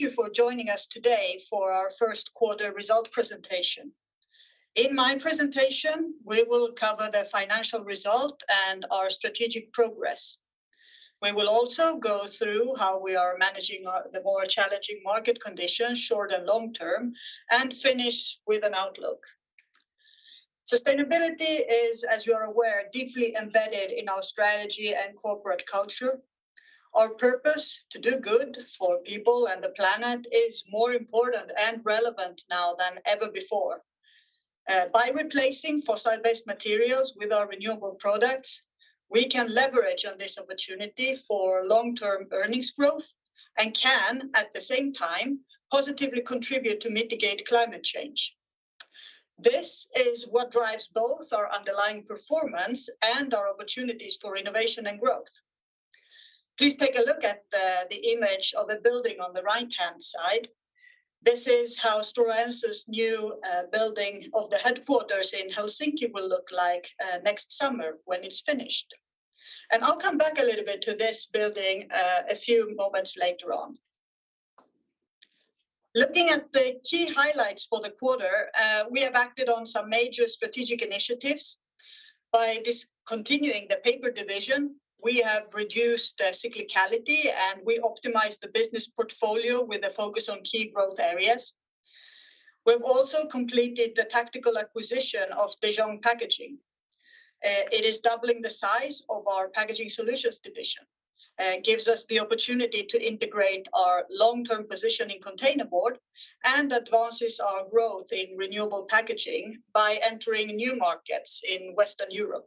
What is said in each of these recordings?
Thank you for joining us today for our first quarter result presentation. In my presentation, we will cover the financial result and our strategic progress. We will also go through how we are managing the more challenging market conditions, short and long term, and finish with an outlook. Sustainability is, as you are aware, deeply embedded in our strategy and corporate culture. Our purpose, to do good for people and the planet, is more important and relevant now than ever before. By replacing fossil-based materials with our renewable products, we can leverage on this opportunity for long-term earnings growth and can at the same time positively contribute to mitigate climate change. This is what drives both our underlying performance and our opportunities for innovation and growth. Please take a look at the image of the building on the right-hand side. This is how Stora Enso's new building of the headquarters in Helsinki will look like next summer when it's finished. I'll come back a little bit to this building a few moments later on. Looking at the key highlights for the quarter, we have acted on some major strategic initiatives. By discontinuing the paper division, we have reduced cyclicality, and we optimized the business portfolio with a focus on key growth areas. We've also completed the tactical acquisition of De Jong Packaging. It is doubling the size of our Packaging Solutions division, gives us the opportunity to integrate our long-term position in containerboard and advances our growth in renewable packaging by entering new markets in Western Europe.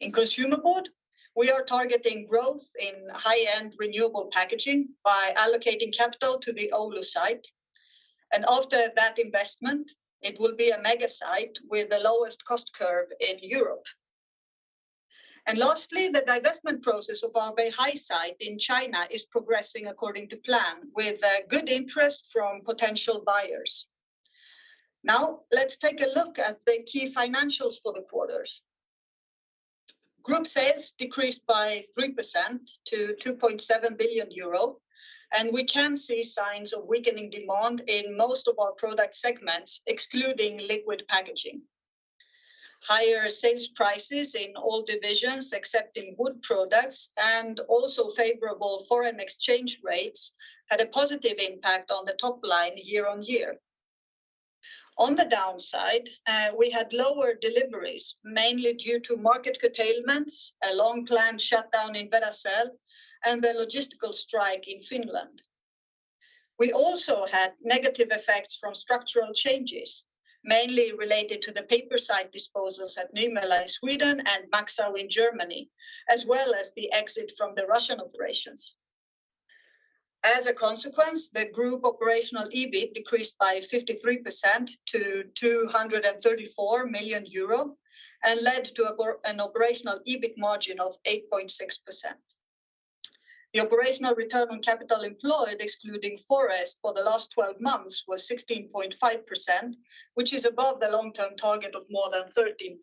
In Consumer Board, we are targeting growth in high-end renewable packaging by allocating capital to the Oulu site, and after that investment, it will be a mega site with the lowest cost curve in Europe. Lastly, the divestment process of our Beihai site in China is progressing according to plan with good interest from potential buyers. Now let's take a look at the key financials for the quarters. Group sales decreased by 3% to 2.7 billion euro. We can see signs of weakening demand in most of our product segments, excluding liquid packaging. Higher sales prices in all divisions except in Wood Products and also favorable foreign exchange rates had a positive impact on the top line year-on-year. On the downside, we had lower deliveries, mainly due to market curtailments, a long-planned shutdown in Veracel, and the logistical strike in Finland. We also had negative effects from structural changes, mainly related to the paper site disposals at Nymölla in Sweden and Maxau in Germany, as well as the exit from the Russian operations. The group operational EBIT decreased by 53% to 234 million euro and led to an operational EBIT margin of 8.6%. The operational return on capital employed excluding Forest for the last 12 months was 16.5%, which is above the long-term target of more than 13%.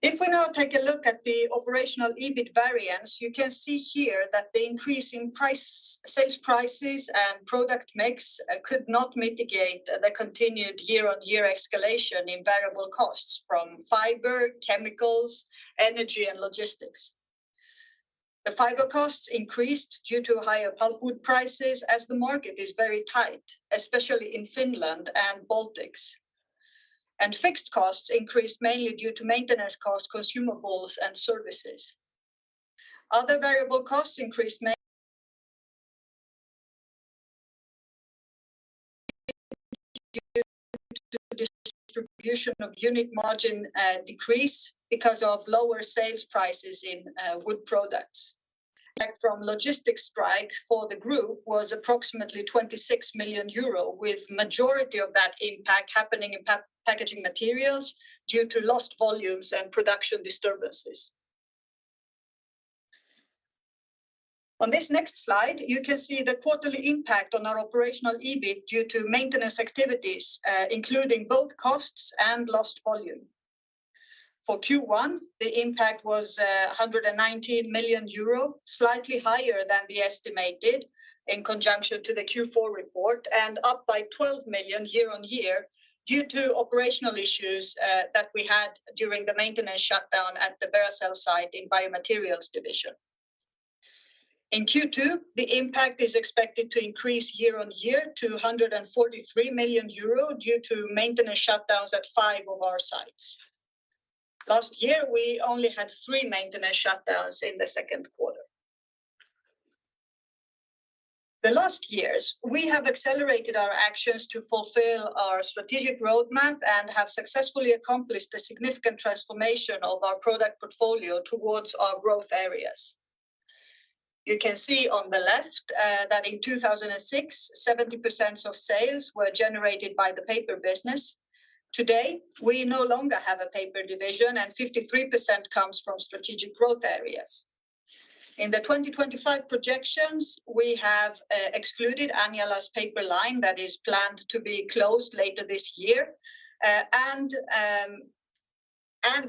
If we now take a look at the operational EBIT variance, you can see here that the increase in sales prices and product mix could not mitigate the continued year-on-year escalation in variable costs from fiber, chemicals, energy, and logistics. The fiber costs increased due to higher pulpwood prices as the market is very tight, especially in Finland and Baltics, and fixed costs increased mainly due to maintenance costs, consumables, and services. Other variable costs increased due to distribution of unit margin decrease because of lower sales prices in Wood Products. Impact from logistics strike for the group was approximately 26 million euro, with majority of that impact happening in Packaging Materials due to lost volumes and production disturbances. On this next slide, you can see the quarterly impact on our operational EBIT due to maintenance activities, including both costs and lost volume. For Q1, the impact was 119 million euro, slightly higher than the estimated in conjunction to the Q4 report and up by 12 million year-on-year due to operational issues that we had during the maintenance shutdown at the Veracel site in Biomaterials Division. In Q2, the impact is expected to increase year-on-year to 143 million euro due to maintenance shutdowns at five of our sites. Last year, we only had three maintenance shutdowns in the second quarter. The last years, we have accelerated our actions to fulfill our strategic roadmap and have successfully accomplished a significant transformation of our product portfolio towards our growth areas. You can see on the left that in 2006, 70% of sales were generated by the paper business. Today, we no longer have a paper division, and 53% comes from strategic growth areas. In the 2025 projections, we have excluded Anjala's paper line that is planned to be closed later this year. We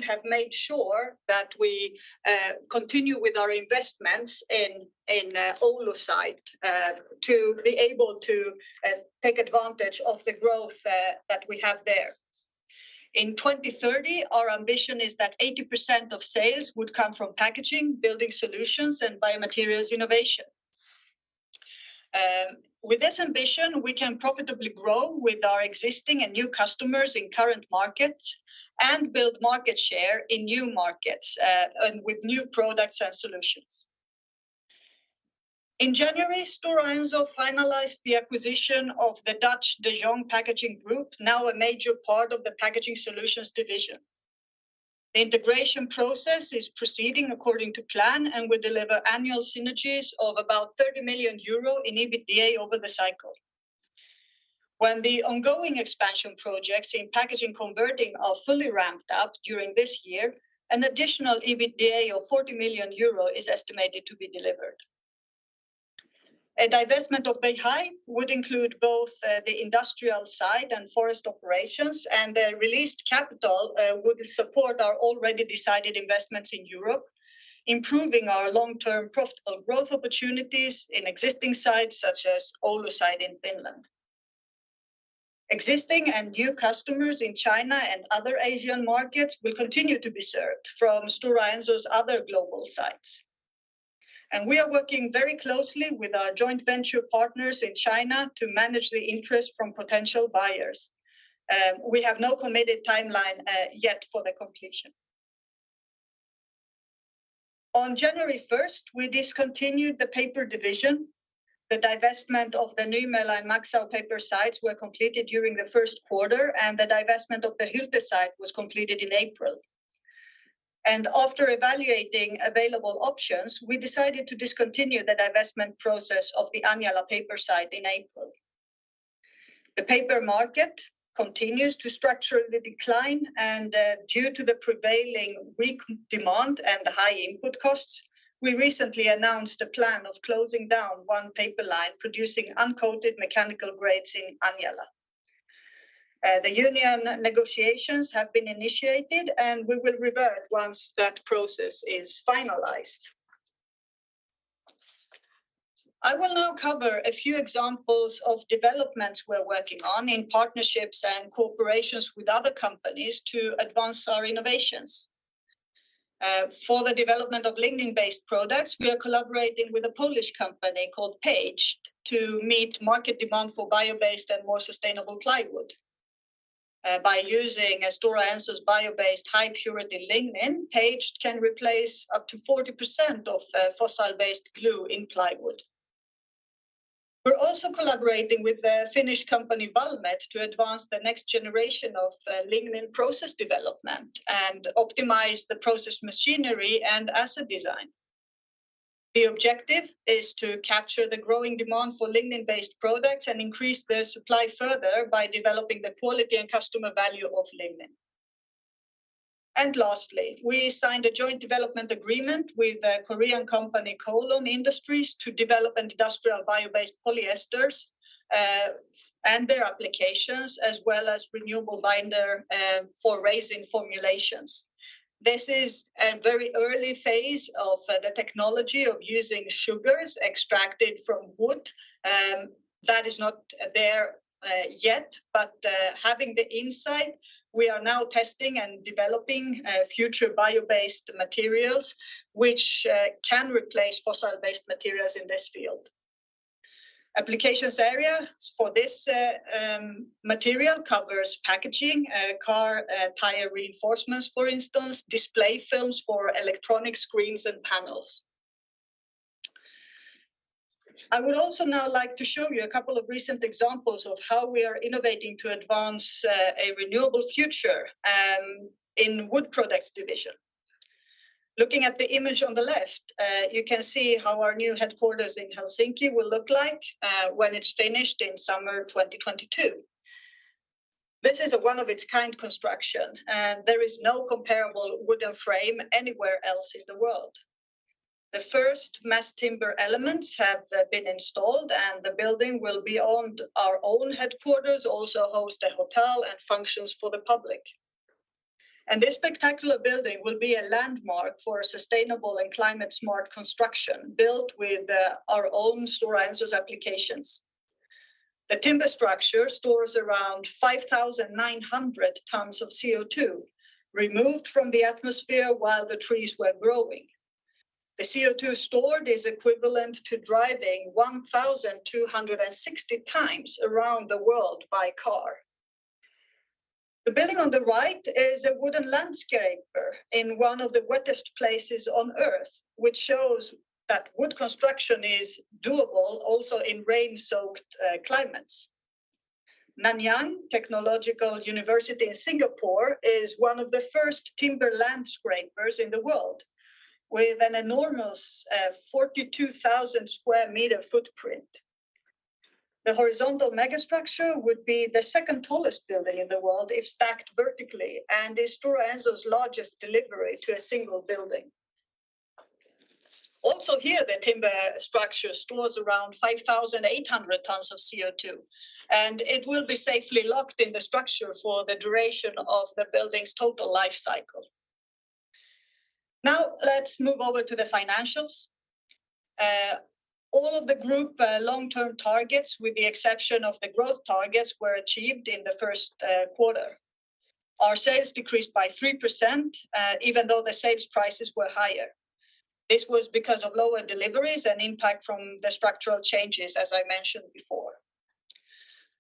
have made sure that we continue with our investments in Oulu site to be able to take advantage of the growth that we have there. In 2030, our ambition is that 80% of sales would come from packaging, building solutions, and biomaterials innovation. With this ambition, we can profitably grow with our existing and new customers in current markets and build market share in new markets and with new products and solutions. In January, Stora Enso finalized the acquisition of the Dutch De Jong Packaging Group, now a major part of the Packaging Solutions division. The integration process is proceeding according to plan and will deliver annual synergies of about 30 million euro in EBITDA over the cycle. When the ongoing expansion projects in packaging converting are fully ramped up during this year, an additional EBITDA of 40 million euro is estimated to be delivered. A divestment of Beihai would include both the industrial side and forest operations, and the released capital will support our already decided investments in Europe, improving our long-term profitable growth opportunities in existing sites such as Oulu site in Finland. Existing and new customers in China and other Asian markets will continue to be served from Stora Enso's other global sites. We are working very closely with our joint venture partners in China to manage the interest from potential buyers. We have no committed timeline yet for the completion. On January first, we discontinued the paper division. The divestment of the Nymölla and Maxau paper sites were completed during the first quarter, and the divestment of the Hylte site was completed in April. After evaluating available options, we decided to discontinue the divestment process of the Anjala paper site in April. The paper market continues to structurally decline, and, due to the prevailing weak demand and high input costs, we recently announced a plan of closing down one paper line producing uncoated mechanical grades in Anjala. The union negotiations have been initiated, and we will revert once that process is finalized. I will now cover a few examples of developments we're working on in partnerships and cooperations with other companies to advance our innovations. For the development of lignin-based products, we are collaborating with a Polish company called Paged to meet market demand for bio-based and more sustainable plywood. By using Stora Enso's bio-based high purity lignin, Paged can replace up to 40% of fossil-based glue in plywood. We're also collaborating with the Finnish company Valmet to advance the next generation of lignin process development and optimize the process machinery and asset design. The objective is to capture the growing demand for lignin-based products and increase the supply further by developing the quality and customer value of lignin. Lastly, we signed a joint development agreement with a Korean company Kolon Industries to develop industrial bio-based polyesters and their applications as well as renewable binder for resin formulations. This is a very early phase of the technology of using sugars extracted from wood. That is not there yet, having the insight, we are now testing and developing future bio-based materials which can replace fossil-based materials in this field. Applications area for this material covers packaging, car, tire reinforcements, for instance, display films for electronic screens and panels. I would also now like to show you a couple of recent examples of how we are innovating to advance a renewable future in Wood Products division. Looking at the image on the left, you can see how our new headquarters in Helsinki will look like when it's finished in summer 2022. This is a one of its kind construction. There is no comparable wooden frame anywhere else in the world. The first mass timber elements have been installed, and the building will be owned our own headquarters, also host a hotel and functions for the public. This spectacular building will be a landmark for sustainable and climate-smart construction, built with our own Stora Enso's applications. The timber structure stores around 5,900 tons of CO2 removed from the atmosphere while the trees were growing. The CO2 stored is equivalent to driving 1,260 times around the world by car. The building on the right is a wooden landscaper in one of the wettest places on Earth, which shows that wood construction is doable also in rain-soaked climates. Nanyang Technological University in Singapore is one of the first timber skyscrapers in the world, with an enormous 42,000 square meter footprint. The horizontal megastructure would be the second tallest building in the world if stacked vertically, and is Stora Enso's largest delivery to a single building. Also here, the timber structure stores around 5,800 tons of CO2, and it will be safely locked in the structure for the duration of the building's total life cycle. Now let's move over to the financials. All of the group long-term targets, with the exception of the growth targets, were achieved in the first quarter. Our sales decreased by 3%, even though the sales prices were higher. This was because of lower deliveries and impact from the structural changes, as I mentioned before.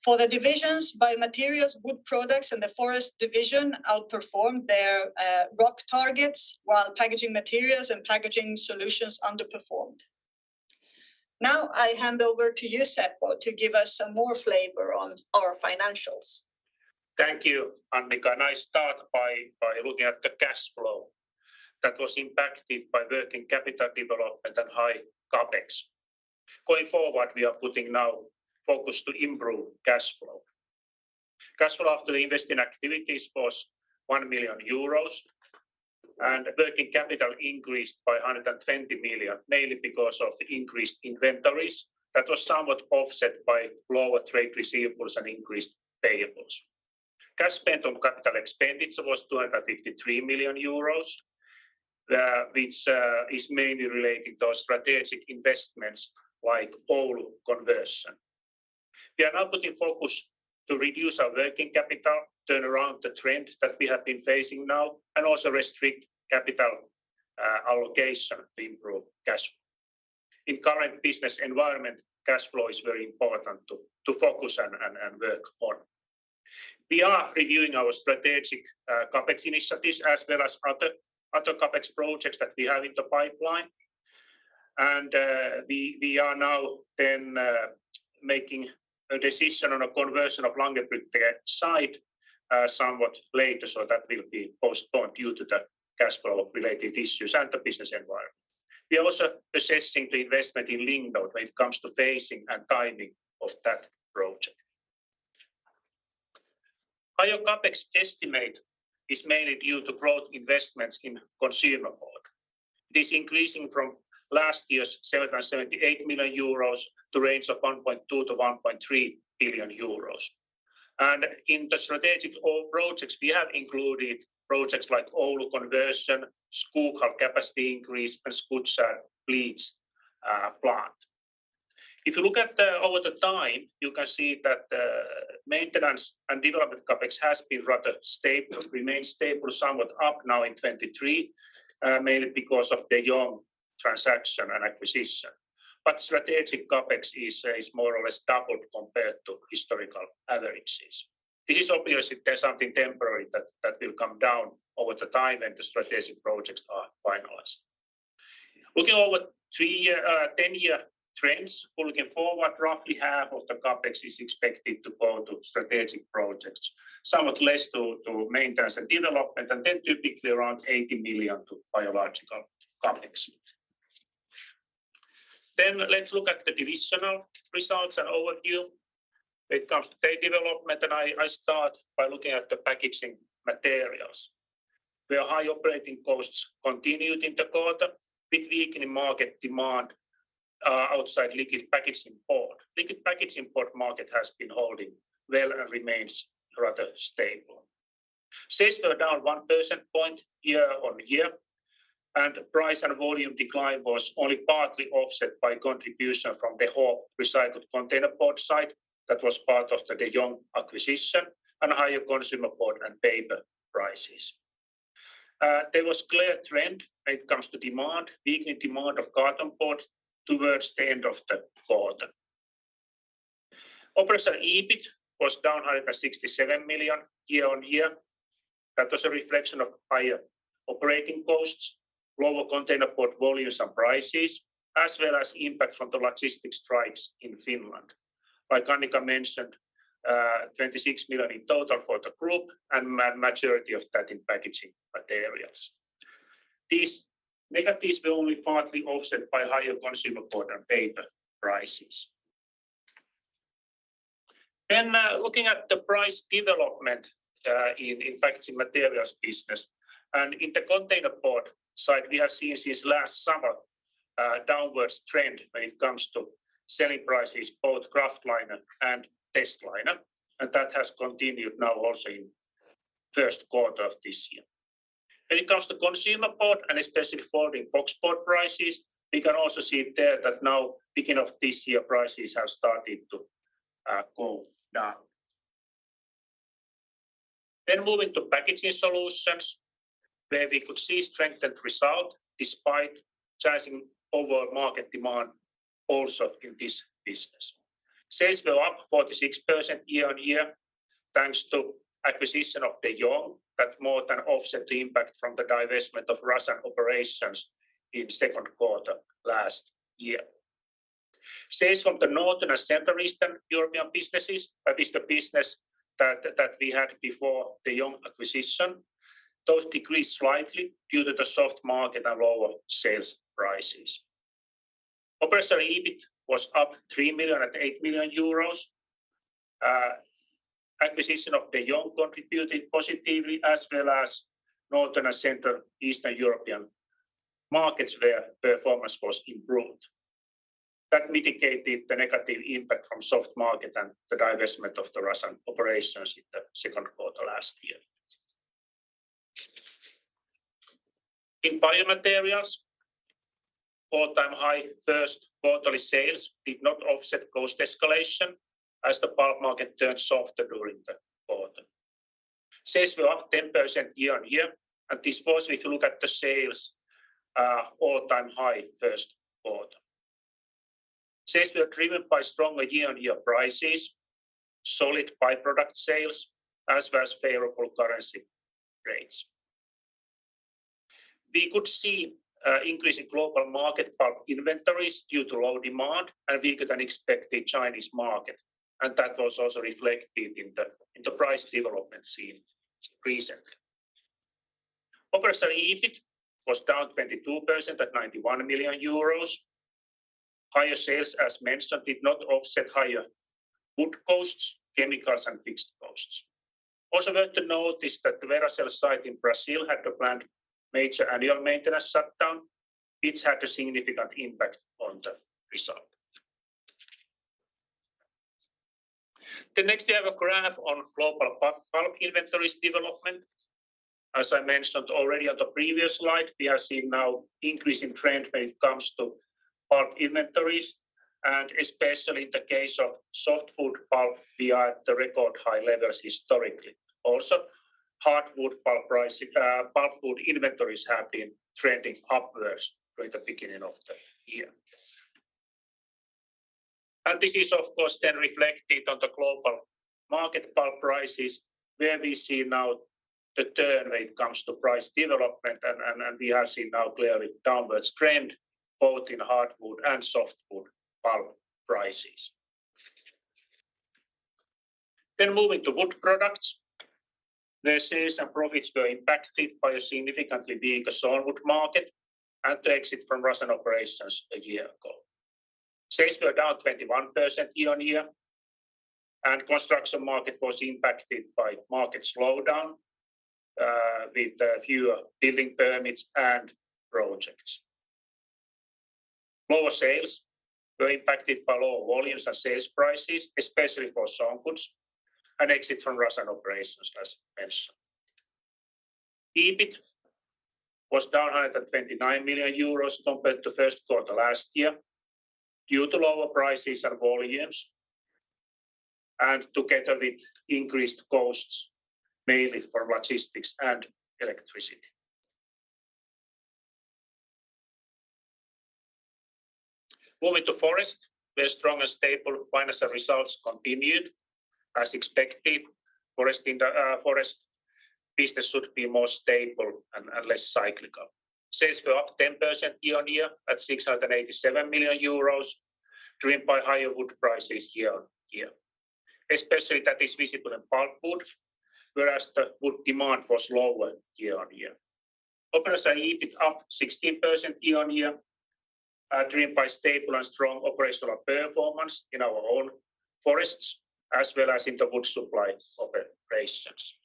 For the divisions, Biomaterials, Wood Products, and the Forest division outperformed their ROC targets, while Packaging Materials and Packaging Solutions underperformed. Now I hand over to you, Seppo, to give us some more flavor on our financials. Thank you, Annica. I start by looking at the cash flow that was impacted by working capital development and high CapEx. Going forward, we are putting now focus to improve cash flow. Cash flow after investing activities was 1 million euros, and working capital increased by 120 million, mainly because of increased inventories. That was somewhat offset by lower trade receivables and increased payables. Cash spent on capital expenditures was 253 million euros, which is mainly related to strategic investments like Oulu conversion. We are now putting focus to reduce our working capital, turn around the trend that we have been facing now, and also restrict capital allocation to improve cash. In current business environment, cash flow is very important to focus on and work on. We are reviewing our strategic CapEx initiatives, as well as other CapEx projects that we have in the pipeline. We are now then making a decision on a conversion of Langerbrugge site somewhat later, so that will be postponed due to the cash flow related issues and the business environment. We are also assessing the investment in Lingbo when it comes to phasing and timing of that project. Higher CapEx estimate is mainly due to growth investments in consumer board. It is increasing from last year's 778 million euros to range of 1.2 billion-1.3 billion euros. In the strategic projects, we have included projects like Oulu conversion, Skoghall capacity increase, and Skutskär bleach plant. If you look at over the time, you can see that maintenance and development CapEx has been rather stable, remained stable, somewhat up now in 2023, mainly because of the De Jong transaction and acquisition. Strategic CapEx is more or less doubled compared to historical averages. It is obvious it is something temporary that will come down over the time and the strategic projects are finalized. Looking over three-year, 10-year trends, looking forward, roughly half of the CapEx is expected to go to strategic projects, somewhat less to maintenance and development, and then typically around 80 million to biological CapEx. Let's look at the divisional results and overview when it comes to pay development. I start by looking at the Packaging Materials, where high operating costs continued in the quarter with weakening market demand outside liquid packaging board. Liquid packaging board market has been holding well and remains rather stable. Sales were down 1 percentage point year-on-year, and price and volume decline was only partly offset by contribution from De Hoop recycled container board side that was part of the De Jong acquisition and higher consumer board and paper prices. There was clear trend when it comes to demand, weakening demand of carton board towards the end of the quarter. Operating EBIT was down 167 million year-on-year. That was a reflection of higher operating costs, lower container board volumes and prices, as well as impact from the logistics strikes in Finland. Like Annica mentioned, 26 million in total for the group, and majority of that in Packaging Materials. These negatives were only partly offset by higher consumer board and paper prices. Looking at the price development, in Packaging Materials business, and in the container board side, we have seen since last summer a downwards trend when it comes to selling prices, both kraftliner and testliner, and that has continued now also in first quarter of this year. When it comes to consumer board and especially folding box board prices, we can also see there that now beginning of this year, prices have started to go down. Moving to Packaging Solutions, where we could see strengthened result despite challenging overall market demand also in this business. Sales were up 46% year on year, thanks to acquisition of De Jong that more than offset the impact from the divestment of Russian operations in second quarter last year. Sales from the Northern and Central Eastern European businesses, that is the business that we had before De Jong acquisition, those decreased slightly due to the soft market and lower sales prices. Operating EBIT was up 3 million at 8 million euros. Acquisition of De Jong contributed positively as well as Northern and Central Eastern European markets where performance was improved. That mitigated the negative impact from soft market and the divestment of the Russian operations in the second quarter last year. In Biomaterials, all-time high first quarterly sales did not offset cost escalation as the pulp market turned softer during the quarter. Sales were up 10% year-on-year, and this was if you look at the sales, all-time high first quarter. Sales were driven by stronger year-on-year prices, solid byproduct sales, as well as favorable currency rates. We could see increase in global market pulp inventories due to low demand, and weaker-than-expected Chinese market, and that was also reflected in the, in the price development seen recently. Operational EBIT was down 22% at 91 million euros. Higher sales, as mentioned, did not offset higher wood costs, chemicals, and fixed costs. Also worth to note is that the Veracel site in Brazil had a planned major annual maintenance shutdown, which had a significant impact on the result. Next we have a graph on global pulp inventories development. As I mentioned already on the previous slide, we are seeing now increasing trend when it comes to pulp inventories, and especially in the case of softwood pulp, we are at the record high levels historically. Hardwood pulp price, pulpwood inventories have been trending upwards from the beginning of the year. This is of course then reflected on the global market pulp prices, where we see now the turn when it comes to price development and we are seeing now clearly downwards trend, both in hardwood and softwood pulp prices. Moving to wood products, the sales and profits were impacted by a significantly weaker softwood market and the exit from Russian operations a year ago. Sales were down 21% year on year. Construction market was impacted by market slowdown, with fewer building permits and projects. Lower sales were impacted by lower volumes and sales prices, especially for sawn wood, and exit from Russian operations, as mentioned. EBIT was down 129 million euros compared to first quarter last year due to lower prices and volumes, and together with increased costs, mainly for logistics and electricity. Moving to Forest, where strong and stable financial results continued. As expected, Forest business should be more stable and less cyclical. Sales were up 10% year-on-year at 687 million euros, driven by higher wood prices year-on-year. Especially that is visible in pulpwood, whereas the wood demand was lower year-on-year. Operational EBIT up 16% year-on-year, driven by stable and strong operational performance in our own forests, as well as in the wood supply operations.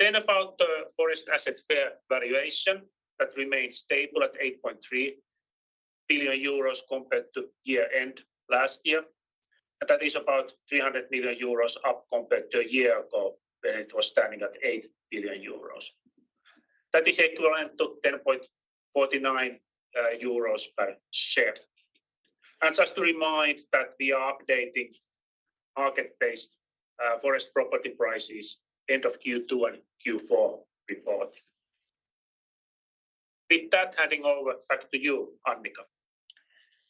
About the Forest asset fair valuation, that remained stable at 8.3 billion euros compared to year-end last year, that is about 300 million euros up compared to a year ago when it was standing at 8 billion euros. That is equivalent to 10.49 euros per share. Just to remind that we are updating market-based Forest property prices end of Q2 and Q4 report. With that, handing over back to you, Annica.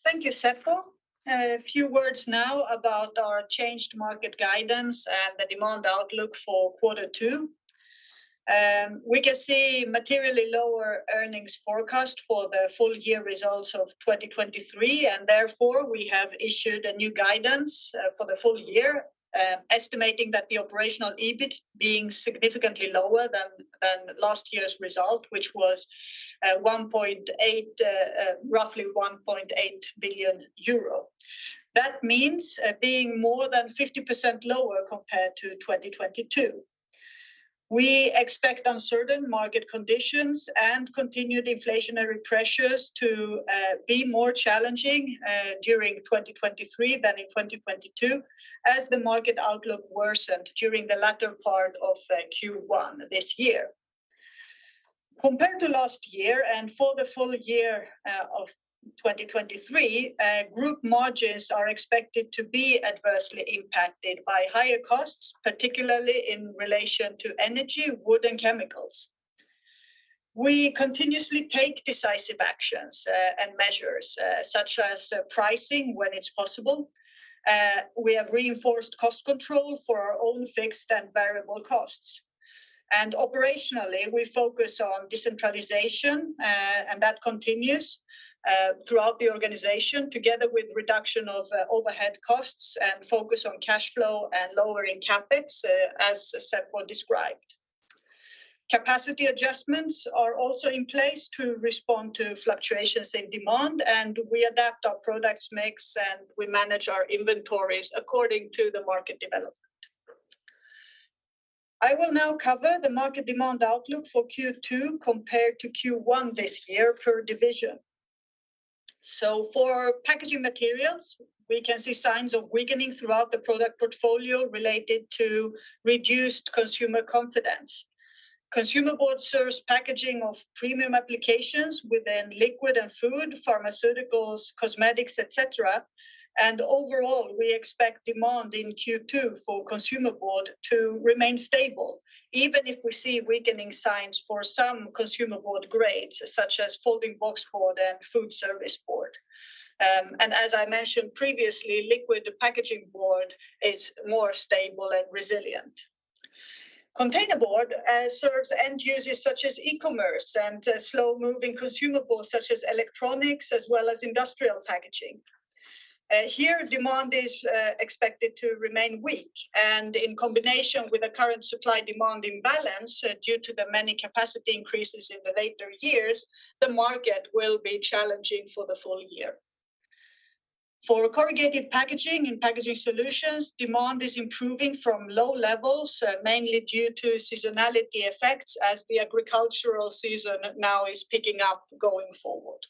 Thank you, Seppo. A few words now about our changed market guidance and the demand outlook for quarter two. We can see materially lower earnings forecast for the full year results of 2023, and therefore we have issued a new guidance for the full year, estimating that the operational EBIT being significantly lower than last year's result, which was 1.8, roughly 1.8 billion euro. That means being more than 50% lower compared to 2022. We expect uncertain market conditions and continued inflationary pressures to be more challenging during 2023 than in 2022 as the market outlook worsened during the latter part of Q1 this year. Compared to last year and for the full year of 2023, group margins are expected to be adversely impacted by higher costs, particularly in relation to energy, wood, and chemicals. We continuously take decisive actions and measures such as pricing when it's possible. We have reinforced cost control for our own fixed and variable costs. Operationally, we focus on decentralization, and that continues throughout the organization together with reduction of overhead costs and focus on cash flow and lowering CapEx, as Seppo described. Capacity adjustments are also in place to respond to fluctuations in demand, we adapt our products mix, and we manage our inventories according to the market development. I will now cover the market demand outlook for Q2 compared to Q1 this year per division. For Packaging Materials, we can see signs of weakening throughout the product portfolio related to reduced consumer confidence. Consumer board serves packaging of premium applications within liquid and food, pharmaceuticals, cosmetics, et cetera. Overall, we expect demand in Q2 for consumer board to remain stable, even if we see weakening signs for some consumer board grades, such as folding box board and food service board. And as I mentioned previously, liquid packaging board is more stable and resilient. Container board serves end users such as e-commerce and slow-moving consumables such as electronics as well as industrial packaging. Here demand is expected to remain weak, and in combination with the current supply demand imbalance, due to the many capacity increases in the later years, the market will be challenging for the full year. For corrugated packaging and Packaging Solutions, demand is improving from low levels, mainly due to seasonality effects as the agricultural season now is picking up going forward.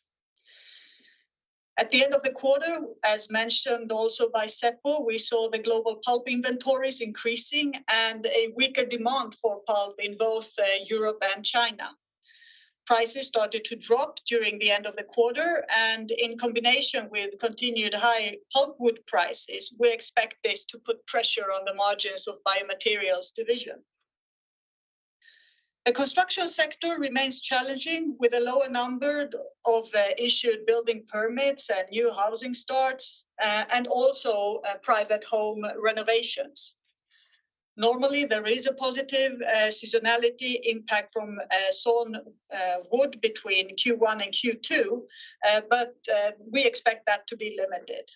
At the end of the quarter, as mentioned also by Seppo, we saw the global pulp inventories increasing and a weaker demand for pulp in both Europe and China. Prices started to drop during the end of the quarter, and in combination with continued high pulpwood prices, we expect this to put pressure on the margins of Biomaterials division. The construction sector remains challenging with a lower number of issued building permits and new housing starts, and also private home renovations. Normally, there is a positive seasonality impact from sawn wood between Q1 and Q2, but we expect that to be limited.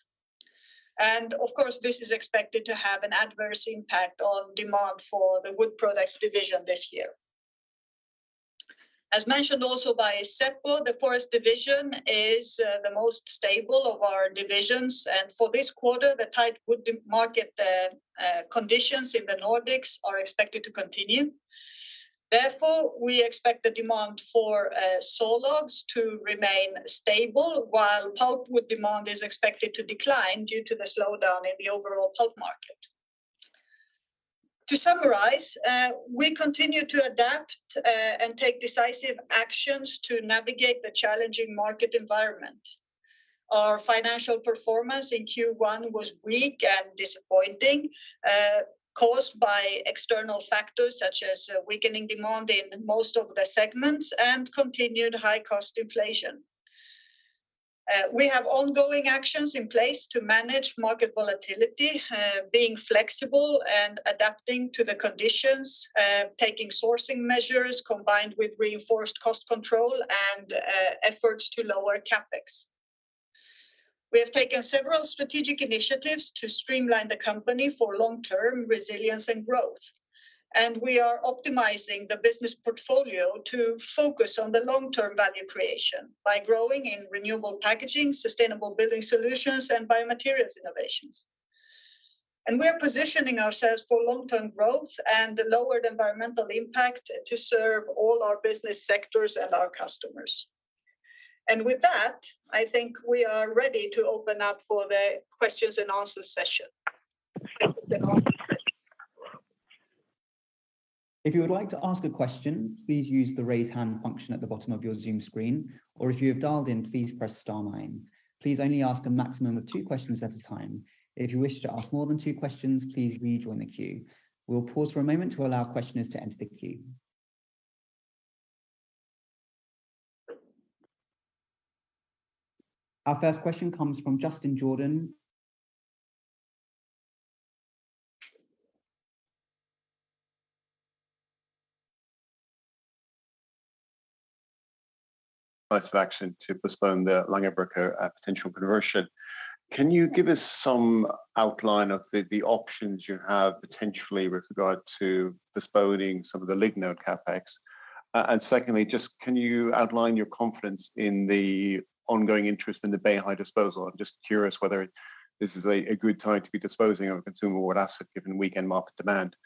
Of course, this is expected to have an adverse impact on demand for the Wood Products division this year. As mentioned also by Seppo, the Forest division is the most stable of our divisions, and for this quarter, the tight wood market conditions in the Nordics are expected to continue. We expect the demand for sawlogs to remain stable, while pulpwood demand is expected to decline due to the slowdown in the overall pulp market. To summarize, we continue to adapt and take decisive actions to navigate the challenging market environment. Our financial performance in Q1 was weak and disappointing, caused by external factors such as weakening demand in most of the segments and continued high cost inflation. We have ongoing actions in place to manage market volatility, being flexible and adapting to the conditions, taking sourcing measures combined with reinforced cost control and efforts to lower CapEx. We have taken several strategic initiatives to streamline the company for long-term resilience and growth. We are optimizing the business portfolio to focus on the long-term value creation by growing in renewable packaging, sustainable building solutions, and biomaterials innovations. We are positioning ourselves for long-term growth and a lowered environmental impact to serve all our business sectors and our customers. With that, I think we are ready to open up for the questions and answer session. If you would like to ask a question, please use the raise hand function at the bottom of your Zoom screen, or if you have dialed in, please press star nine. Please only ask a maximum of two questions at a time. If you wish to ask more than two questions, please rejoin the queue. We'll pause for a moment to allow questioners to enter the queue. Our first question comes from Justin Jordan. Course of action to postpone the Langerbrugge potential conversion. Can you give us some outline of the options you have potentially with regard to postponing some of the Lignode CapEx? Secondly, just can you outline your confidence in the ongoing interest in the Beihai disposal? I'm just curious whether this is a good time to be disposing of a consumer wood asset given weakened market demand.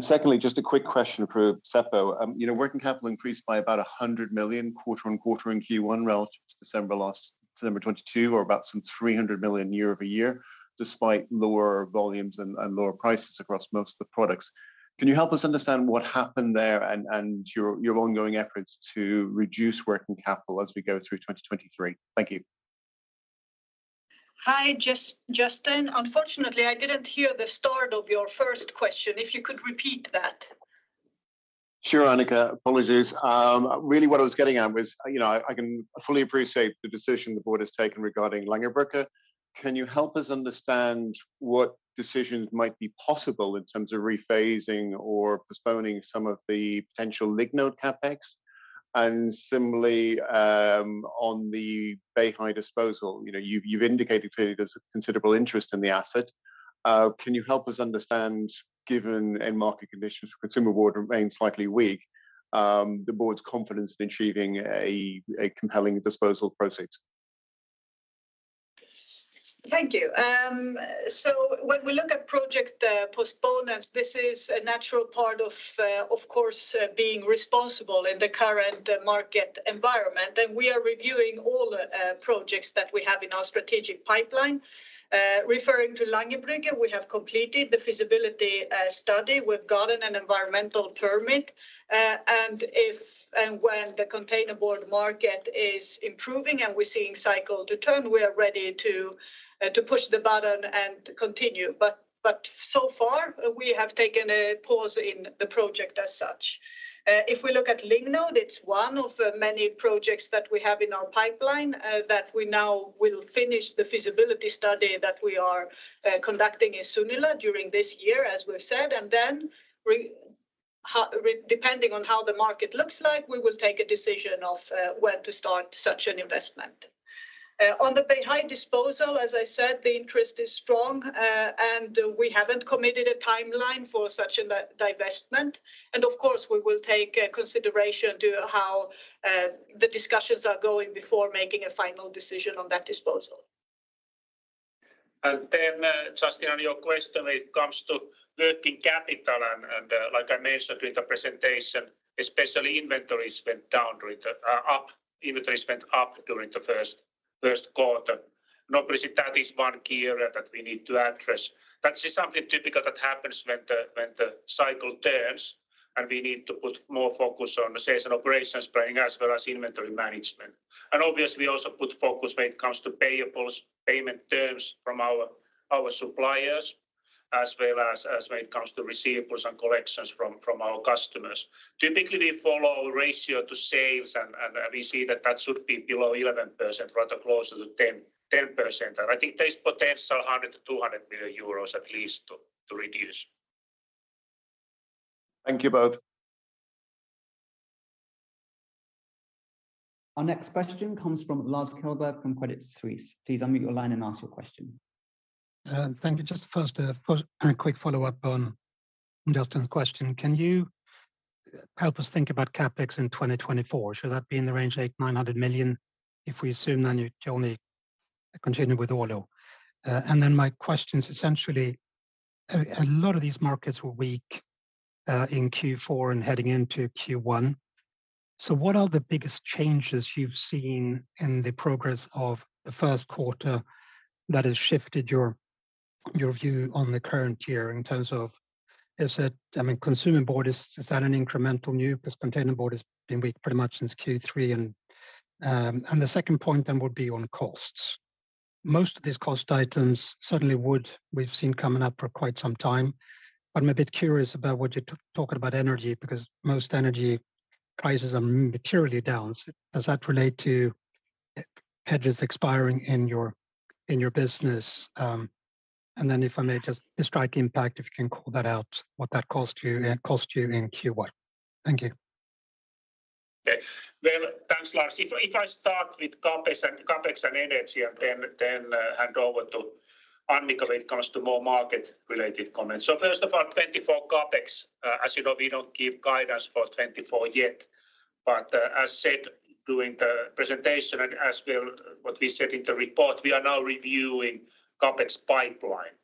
Secondly, just a quick question for Seppo. You know, working capital increased by about 100 million quarter-on-quarter in Q1 relative to December 2022, or about some 300 million year-over-year, despite lower volumes and lower prices across most of the products. Can you help us understand what happened there and your ongoing efforts to reduce working capital as we go through 2023? Thank you. Hi, Justin. Unfortunately, I didn't hear the start of your first question. If you could repeat that. Sure, Annica. Apologies. really what I was getting at was, you know, I can fully appreciate the decision the board has taken regarding Langerbrugge. Can you help us understand what decisions might be possible in terms of rephasing or postponing some of the potential Lignode CapEx? Similarly, on the Beihai disposal. You know, you've indicated clearly there's a considerable interest in the asset. can you help us understand, given end market conditions for consumer wood remain slightly weak, the board's confidence in achieving a compelling disposal proceed? Thank you. When we look at project postponements, this is a natural part of course, being responsible in the current market environment, and we are reviewing all projects that we have in our strategic pipeline. Referring to Langerbrugge, we have completed the feasibility study. We've gotten an environmental permit. If and when the container board market is improving and we're seeing cycle to turn, we are ready to push the button and continue, but so far we have taken a pause in the project as such. If we look at Lignode, it's one of many projects that we have in our pipeline, that we now will finish the feasibility study that we are conducting in Sunila during this year, as we've said. Depending on how the market looks like, we will take a decision of when to start such an investment. On the Beihai disposal, as I said, the interest is strong, and we haven't committed a timeline for such a divestment, and of course, we will take consideration to how the discussions are going before making a final decision on that disposal. Then, George, on your question when it comes to working capital and, like I mentioned during the presentation, especially inventories went up. Inventories went up during the first quarter. Obviously, that is one key area that we need to address. That is something typical that happens when the cycle turns, and we need to put more focus on sales and operations planning as well as inventory management. Obviously, we also put focus when it comes to payables, payment terms from our suppliers as well as when it comes to receivables and collections from our customers. Typically, we follow ratio to sales and, we see that that should be below 11%, rather closer to 10%. I think there's potential 100 million-200 million euros at least to reduce. Thank you both. Our next question comes from Lars Kjellberg from Credit Suisse. Please unmute your line and ask your question. Thank you. Just first, a quick follow-up on Justin's question. Can you help us think about CapEx in 2024? Should that be in the range of 800 million-900 million if we assume then you only continue with Oulu? Then my question is essentially, a lot of these markets were weak in Q4 and heading into Q1. What are the biggest changes you've seen in the progress of the first quarter that has shifted your view on the current year in terms of I mean, consumer board, is that an incremental new because container board has been weak pretty much since Q3 and... The second point then would be on costs. Most of these cost items certainly we've seen coming up for quite some time. I'm a bit curious about what you're talking about energy because most energy prices are materially down. Does that relate to hedges expiring in your business? Then if I may just the strike impact, if you can call that out, what that cost you in Q1. Thank you. Okay. Well, thanks, Lars. If I start with CapEx and energy and then hand over to Annica when it comes to more market-related comments. First of all, 2024 CapEx, as you know, we don't give guidance for 2024 yet. As said during the presentation and as well what we said in the report, we are now reviewing CapEx pipeline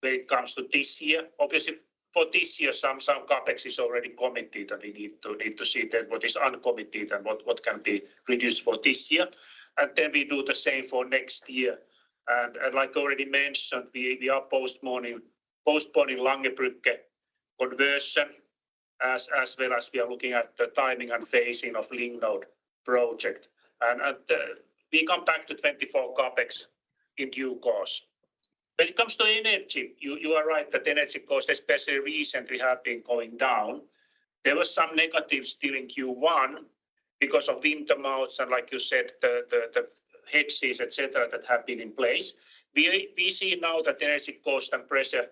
when it comes to this year. Obviously, for this year, some CapEx is already committed, and we need to see then what is uncommitted and what can be reduced for this year. Then we do the same for next year. Like already mentioned, we are postponing Langerbrugge conversion as well as we are looking at the timing and phasing of Lignode project. We come back to 2024 CapEx in due course. When it comes to energy, you are right that energy costs, especially recently, have been going down. There was some negatives still in Q1 because of winter months and like you said, the hedges, et cetera, that have been in place. We see now that the energy cost and pressure,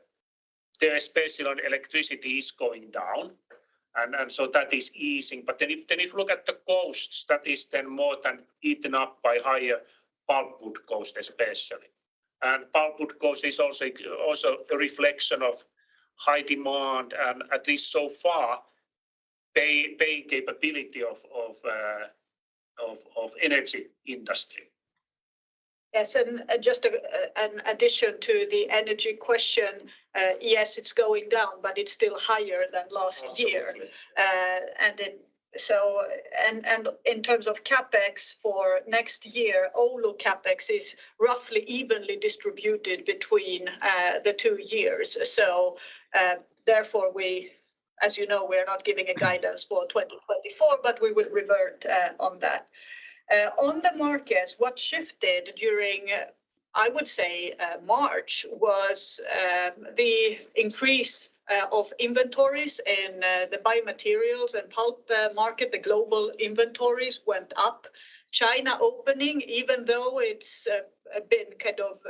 especially on electricity is going down, that is easing. If you look at the costs, that is then more than eaten up by higher pulpwood cost especially. Pulpwood cost is also a reflection of high demand and at least so far, paying capability of energy industry. Yes, and just an addition to the energy question. Yes, it's going down, but it's still higher than last year. Absolutely. In terms of CapEx for next year, Oulu CapEx is roughly evenly distributed between the two years. Therefore we, as you know, we are not giving a guidance for 2024, but we will revert on that. On the markets, what shifted during, I would say, March, was the increase of inventories in the biomaterials and pulp market. The global inventories went up. China opening, even though it's been kind of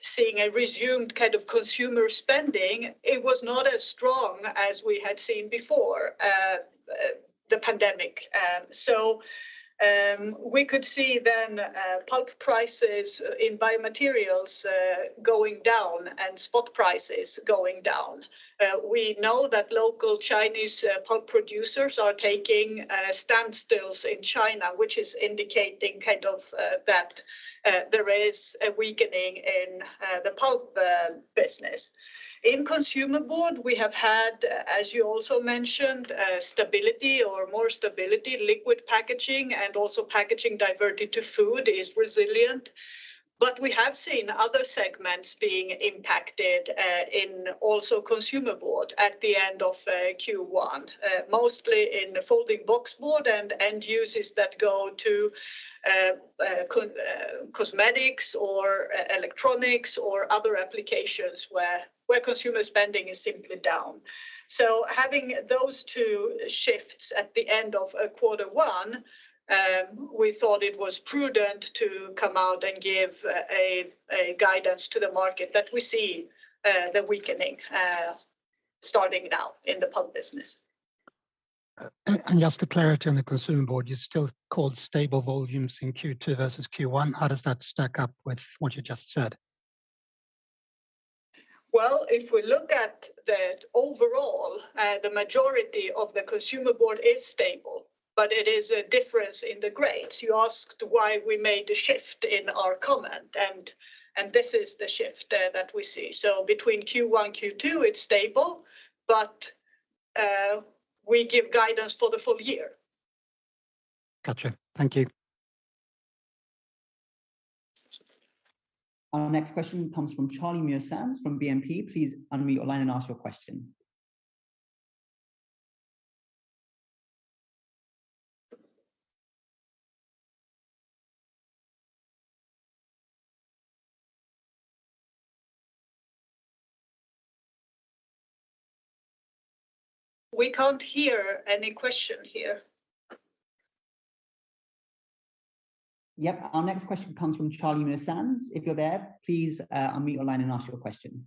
seeing a resumed kind of consumer spending, it was not as strong as we had seen before. The pandemic. We could see then pulp prices in biomaterials going down and spot prices going down. We know that local Chinese pulp producers are taking standstills in China, which is indicating kind of that there is a weakening in the pulp business. In consumer board, we have had, as you also mentioned, stability or more stability. Liquid packaging and also packaging diverted to food is resilient. We have seen other segments being impacted in also consumer board at the end of Q1. Mostly in folding boxboard and end users that go to cosmetics or electronics or other applications where consumer spending is simply down. Having those two shifts at the end of quarter one, we thought it was prudent to come out and give a guidance to the market that we see the weakening starting now in the pulp business. Just for clarity on the consumer board, you still called stable volumes in Q2 versus Q1. How does that stack up with what you just said? Well, if we look at the overall, the majority of the consumer board is stable, but it is a difference in the grades. You asked why we made a shift in our comment and this is the shift that we see. Between Q1, Q2, it's stable, but we give guidance for the full year. Gotcha. Thank you. Our next question comes from Charlie Muir-Sands from BNP. Please unmute your line and ask your question. We can't hear any question here. Yep. Our next question comes from Charlie Muir-Sands. If you're there, please unmute your line and ask your question.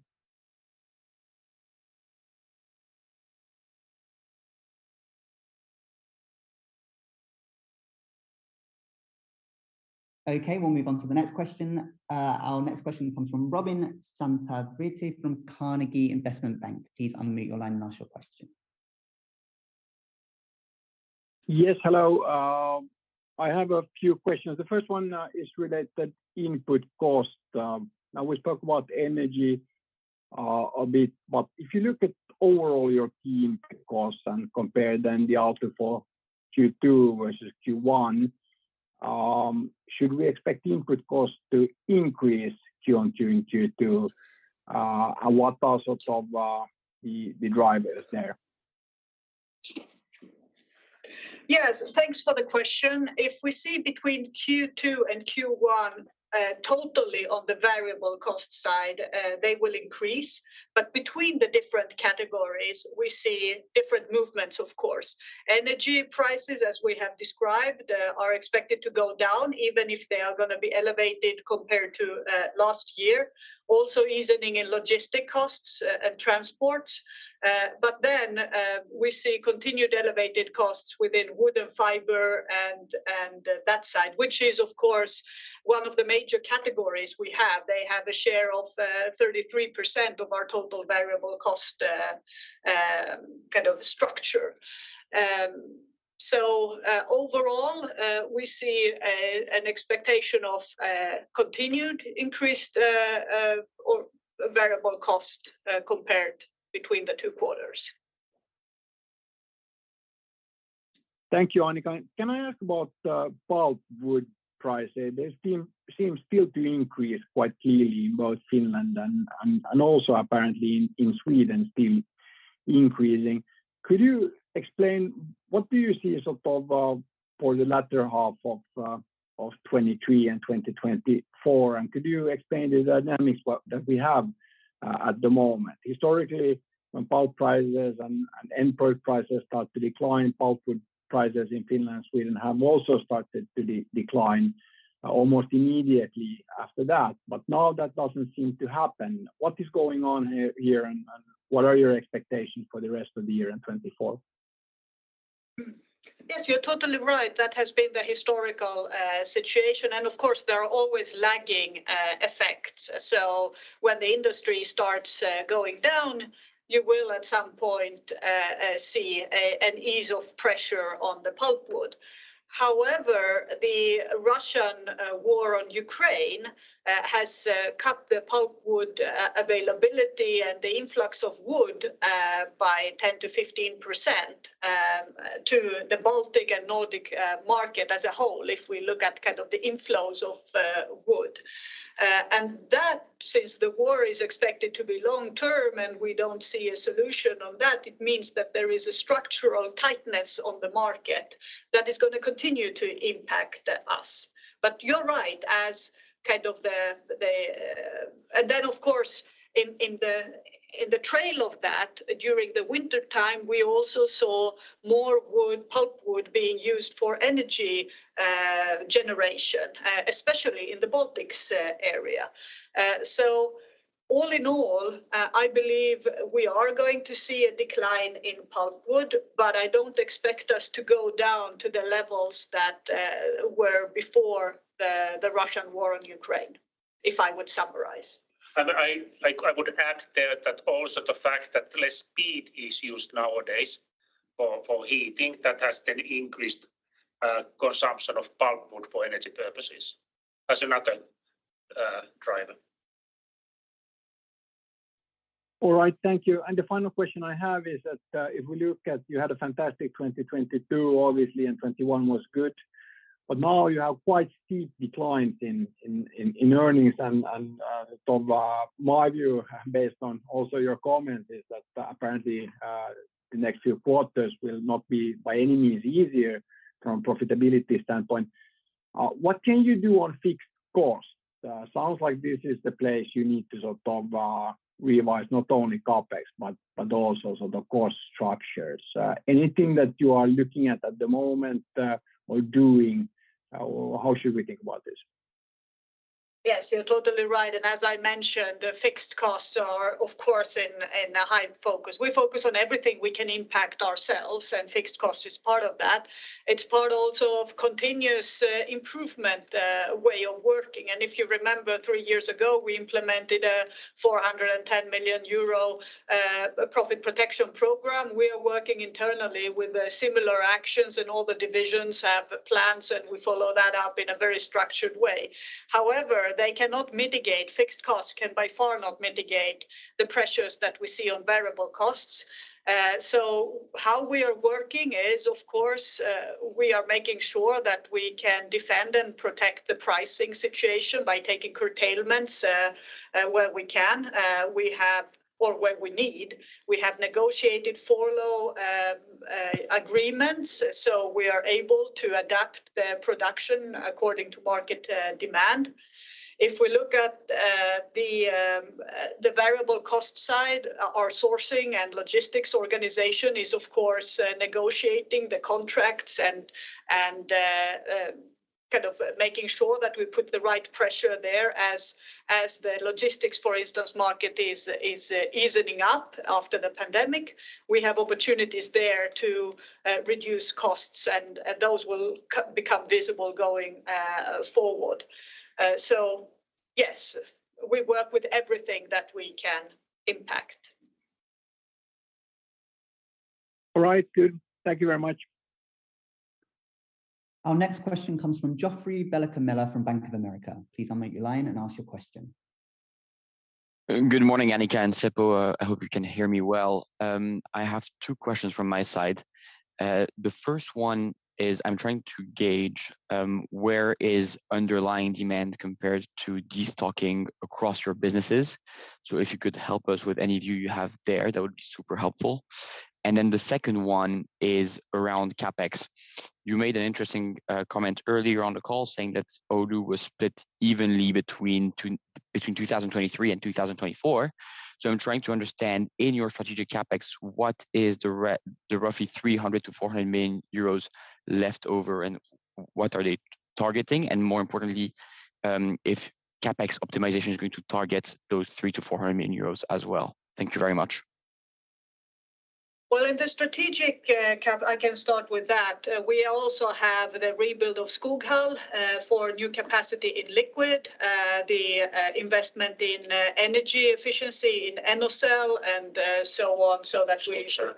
Okay, we'll move on to the next question. Our next question comes from Robin Santavirta from Carnegie Investment Bank. Please unmute your line and ask your question. Yes, hello. I have a few questions. The first one is related input cost. Now we spoke about energy a bit, but if you look at overall your key input costs and compare then the outlook for Q2 versus Q1, should we expect input costs to increase Q on Q in Q2? What are sorts of the drivers there? Yes, thanks for the question. If we see between Q2 and Q1, totally on the variable cost side, they will increase. Between the different categories, we see different movements, of course. Energy prices, as we have described, are expected to go down, even if they are gonna be elevated compared to last year. Also, easing in logistic costs and transport. We see continued elevated costs within wood and fiber and that side, which is of course one of the major categories we have. They have a share of 33% of our total variable cost kind of structure. Overall, we see an expectation of continued increased variable cost compared between the two quarters. Thank you, Annica. Can I ask about pulpwood prices? They seem still to increase quite clearly in both Finland and also apparently in Sweden still increasing. Could you explain what do you see sort of for the latter half of 2023 and 2024? Could you explain the dynamics that we have at the moment? Historically, when pulp prices and end product prices start to decline, pulpwood prices in Finland, Sweden have also started to decline almost immediately after that. Now that doesn't seem to happen. What is going on here, and what are your expectations for the rest of the year in 2024? Yes, you're totally right. That has been the historical situation, and of course, there are always lagging effects. When the industry starts going down, you will at some point see an ease of pressure on the pulpwood. However, the Russian war on Ukraine has cut the pulpwood availability and the influx of wood by 10%-15% to the Baltic and Nordic market as a whole if we look at kind of the inflows of wood. That, since the war is expected to be long term and we don't see a solution on that, it means that there is a structural tightness on the market that is going to continue to impact us. You're right, as kind of the. Then of course, in the trail of that, during the wintertime, we also saw more wood, pulpwood being used for energy generation, especially in the Baltics area. All in all, I believe we are going to see a decline in pulpwood, but I don't expect us to go down to the levels that were before the Russian war on Ukraine, if I would summarize. I, like, I would add there that also the fact that less peat is used nowadays for heating, that has then increased consumption of pulpwood for energy purposes as another driver. All right. Thank you. The final question I have is that, if we look at you had a fantastic 2022 obviously, and 2021 was good, but now you have quite steep declines in earnings and sort of, my view based on also your comment is that apparently, the next few quarters will not be by any means easier from profitability standpoint. What can you do on fixed costs? Sounds like this is the place you need to sort of, revise not only CapEx but also sort of cost structures. Anything that you are looking at at the moment, or doing, or how should we think about this? Yes, you're totally right. As I mentioned, the fixed costs are of course in a high focus. We focus on everything we can impact ourselves, and fixed cost is part of that. It's part also of continuous improvement way of working. If you remember, three years ago, we implemented a 410 million euro profit protection program. We are working internally with similar actions, and all the divisions have plans, and we follow that up in a very structured way. However, fixed costs can by far not mitigate the pressures that we see on variable costs. How we are working is, of course, we are making sure that we can defend and protect the pricing situation by taking curtailments where we can. Or where we need. We have negotiated furlough agreements, so we are able to adapt the production according to market demand. If we look at the variable cost side, our sourcing and logistics organization is of course negotiating the contracts and kind of making sure that we put the right pressure there as the logistics, for instance, market is easing up after the pandemic. We have opportunities there to reduce costs and those will become visible going forward. Yes, we work with everything that we can impact. All right. Good. Thank you very much. Our next question comes from Joffrey Bellicha Meller from Bank of America. Please unmute your line and ask your question. Good morning, Annica and Seppo. I hope you can hear me well. I have two questions from my side. The first one is I'm trying to gauge where is underlying demand compared to destocking across your businesses. If you could help us with any view you have there, that would be super helpful. The second one is around CapEx. You made an interesting comment earlier on the call saying that Oulu was split evenly between 2023 and 2024. I'm trying to understand in your strategic CapEx, what is roughly 300 million-400 million euros left over, and what are they targeting? More importantly, if CapEx optimization is going to target those 300 million-400 million euros as well. Thank you very much. Well, in the strategic CapEx, I can start with that. We also have the rebuild of Skoghall for new capacity in liquid, the investment in energy efficiency in Enocell, and so on. Sure.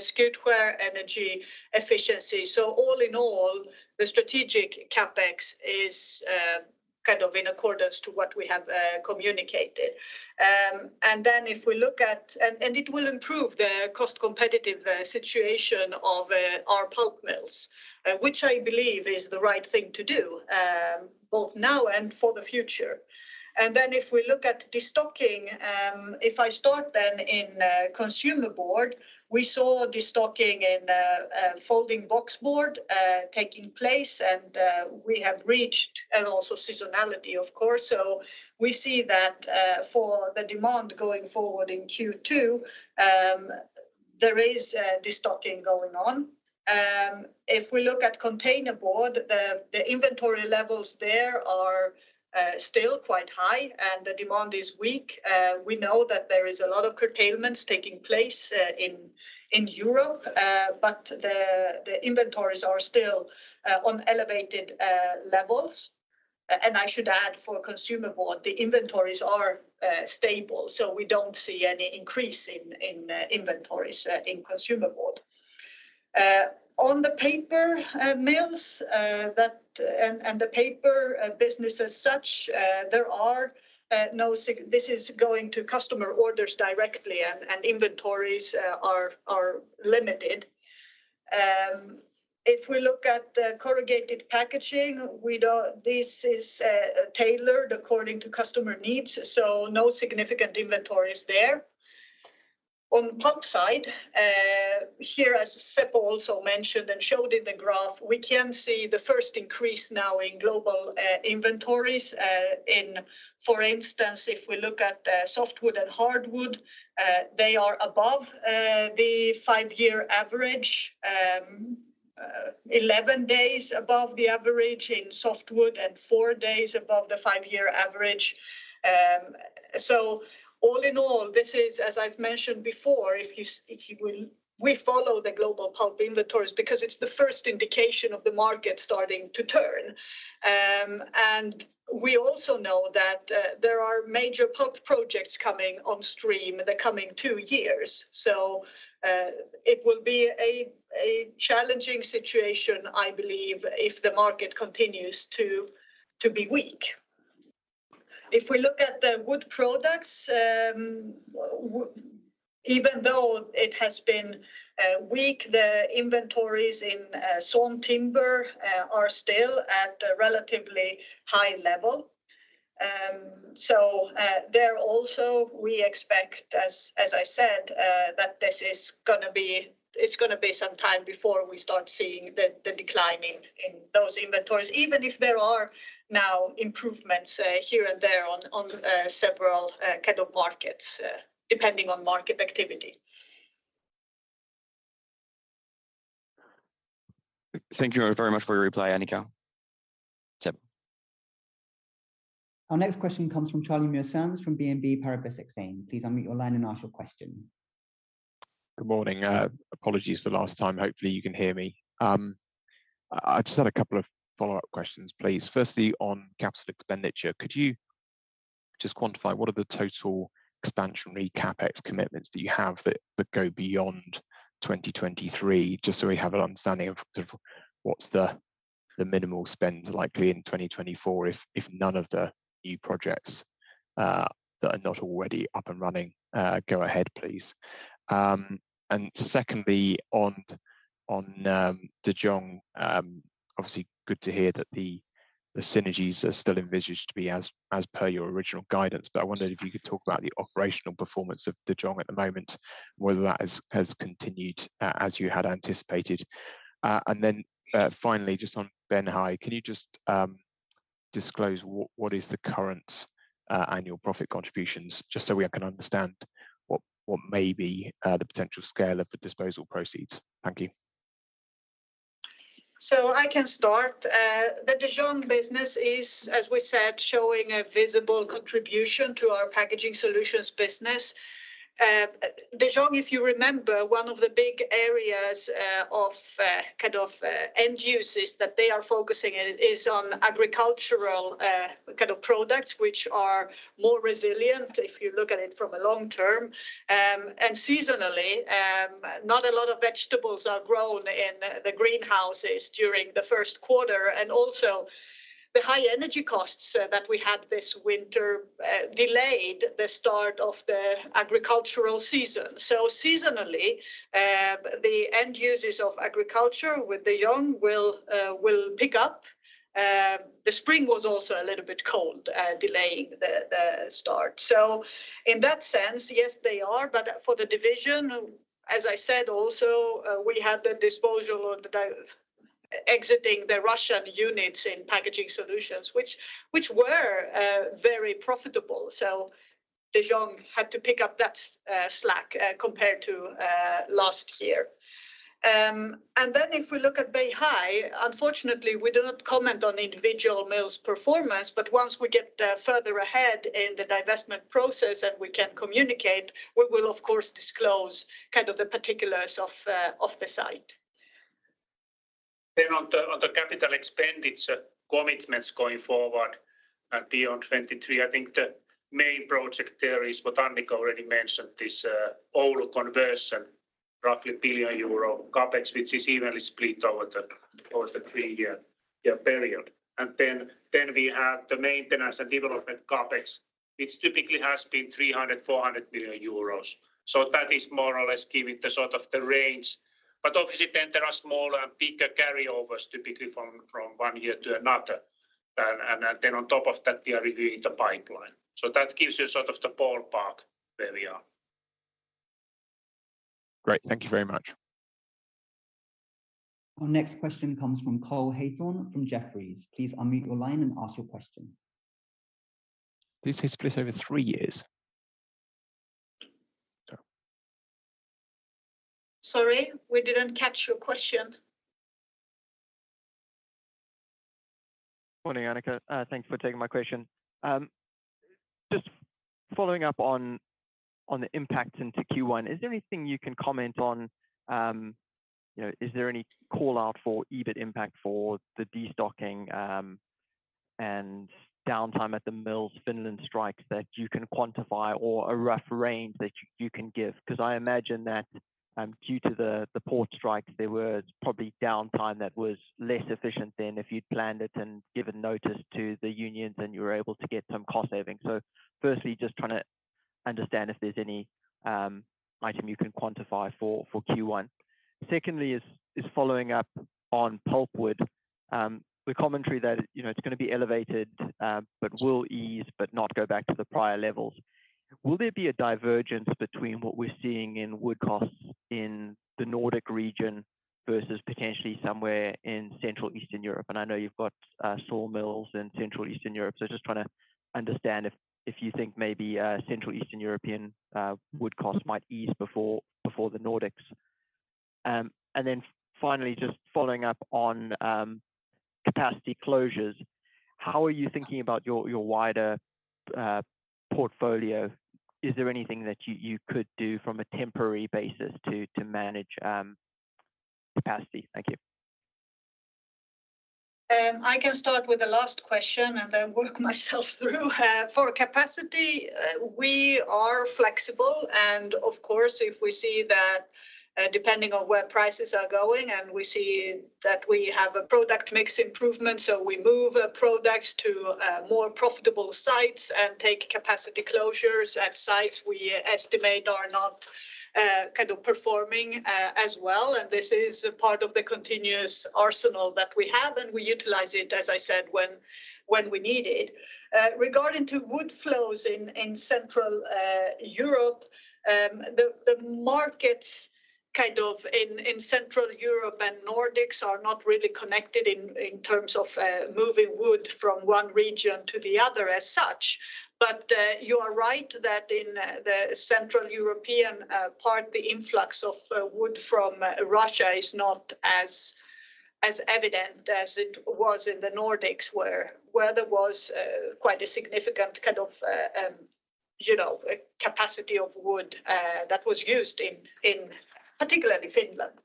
Skutskär energy efficiency. All in all, the strategic CapEx is kind of in accordance to what we have communicated. If we look at... And it will improve the cost competitive situation of our pulp mills, which I believe is the right thing to do, both now and for the future. If we look at destocking, if I start then in consumer board, we saw destocking in folding box board taking place, and we have reached and also seasonality, of course. We see that for the demand going forward in Q2, there is destocking going on. If we look at container board, the inventory levels there are still quite high, and the demand is weak. We know that there is a lot of curtailments taking place in Europe, but the inventories are still on elevated levels. I should add for consumer board, the inventories are stable, so we don't see any increase in inventories in consumer board. On the paper mills that and the paper business as such, there are this is going to customer orders directly and inventories are limited. If we look at the corrugated packaging, this is tailored according to customer needs, so no significant inventory is there. On pulp side, here as Seppo also mentioned and showed in the graph, we can see the first increase now in global inventories. In, for instance, if we look at softwood and hardwood, they are above the 5-year average. 11 days above the average in softwood and four days above the 5-year average. All in all, this is, as I've mentioned before, if you will, we follow the global pulp inventories because it's the first indication of the market starting to turn. We also know that there are major pulp projects coming on stream in the coming two years. It will be a challenging situation, I believe, if the market continues to be weak. If we look at the Wood Products, even though it has been weak, the inventories in sawn timber are still at a relatively high level. There also we expect as I said, that It's gonna be some time before we start seeing the decline in those inventories, even if there are now improvements here and there on several kind of markets, depending on market activity. Thank you very much for your reply, Annica. Seppo. Our next question comes from Charlie Muir-Sands from BNP Paribas Exane. Please unmute your line and ask your question. Good morning. Apologies for last time. Hopefully you can hear me. I just had a couple of follow-up questions, please. Firstly, on capital expenditure, could you just quantify what are the total expansionary CapEx commitments that you have that go beyond 2023, just so we have an understanding of sort of what's the minimal spend likely in 2024 if none of the new projects that are not already up and running go ahead, please. Secondly, on De Jong, obviously good to hear that the synergies are still envisaged to be as per your original guidance. But I wondered if you could talk about the operational performance of De Jong at the moment, whether that has continued as you had anticipated. Finally, just on Beihai, can you just disclose what is the current annual profit contributions, just so we can understand what may be the potential scale of the disposal proceeds? Thank you. I can start. The De Jong business is, as we said, showing a visible contribution to our Packaging Solutions business. De Jong, if you remember, one of the big areas of kind of end uses that they are focusing in is on agricultural kind of products which are more resilient if you look at it from a long term. Seasonally, not a lot of vegetables are grown in the greenhouses during the first quarter. Also the high energy costs that we had this winter delayed the start of the agricultural season. Seasonally, the end users of agriculture with De Jong will pick up. The spring was also a little bit cold, delaying the start. In that sense, yes, they are. For the division, as I said also, we had the disposal of exiting the Russian units in Packaging Solutions, which were very profitable. De Jong had to pick up that slack compared to last year. If we look at Beihai, unfortunately we do not comment on individual mills' performance. Once we get further ahead in the divestment process and we can communicate, we will of course disclose kind of the particulars of the site. On the capital expenditure commitments going forward, beyond 2023, I think the main project there is what Annica already mentioned, this Oulu conversion, roughly 1 billion euro CapEx, which is evenly split over the three-year period. We have the maintenance and development CapEx, which typically has been 300 million-400 million euros. That is more or less giving the sort of the range. Obviously then there are smaller and bigger carryovers typically from one year to another. On top of that, we are reviewing the pipeline. That gives you sort of the ballpark where we are. Great. Thank you very much. Our next question comes from Cole Hathorn from Jefferies. Please unmute your line and ask your question. Please say split over three years. Sorry. Sorry, we didn't catch your question. Morning, Annica. Thank you for taking my question. Just following up on the impact into Q1, is there anything you can comment on, you know, is there any call-out for EBIT impact for the destocking, and downtime at the mills Finland strikes that you can quantify or a rough range that you can give? Cause I imagine that, due to the port strikes, there was probably downtime that was less efficient than if you'd planned it and given notice to the unions, and you were able to get some cost savings. Firstly, just trying to understand if there's any item you can quantify for Q1. Secondly is following up on pulpwood. The commentary that, you know, it's gonna be elevated, but will ease but not go back to the prior levels. Will there be a divergence between what we're seeing in wood costs in the Nordic region versus potentially somewhere in central Eastern Europe? I know you've got sawmills in central Eastern Europe, so just trying to understand if you think maybe central Eastern European wood costs might ease before the Nordics. Finally, just following up on capacity closures, how are you thinking about your wider portfolio? Is there anything that you could do from a temporary basis to manage capacity? Thank you. I can start with the last question and then work myself through. For capacity, we are flexible, and of course, if we see that, depending on where prices are going, and we see that we have a product mix improvement, so we move products to more profitable sites and take capacity closures at sites we estimate are not kind of performing as well, and this is a part of the continuous arsenal that we have, and we utilize it, as I said, when we need it. Regarding to wood flows in central Europe, the markets kind of in central Europe and Nordics are not really connected in terms of moving wood from one region to the other as such. You are right that in the central European part the influx of wood from Russia is not as evident as it was in the Nordics where there was quite a significant kind of, you know, capacity of wood that was used in particularly Finland.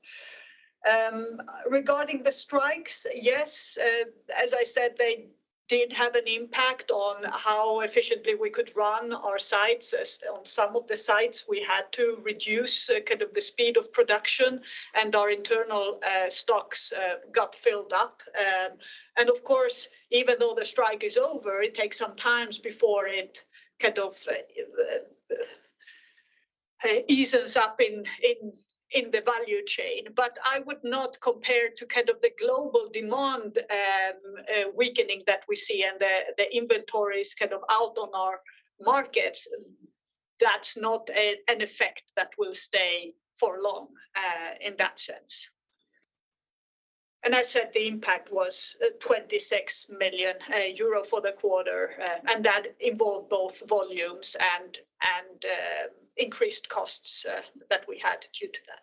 Regarding the strikes, yes, as I said, they did have an impact on how efficiently we could run our sites. As on some of the sites we had to reduce kind of the speed of production, and our internal stocks got filled up. Of course, even though the strike is over, it takes some time before it kind of eases up in the value chain. I would not compare to kind of the global demand weakening that we see and the inventories kind of out on our markets. That's not an effect that will stay for long in that sense. I said the impact was 26 million euro for the quarter, and that involved both volumes and increased costs that we had due to that.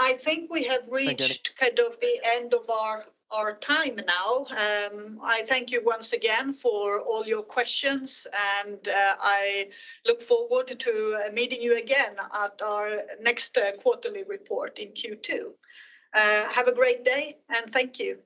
I think we have reached. Thank you.... kind of the end of our time now. I thank you once again for all your questions, and, I look forward to meeting you again at our next, quarterly report in Q2. Have a great day, and thank you.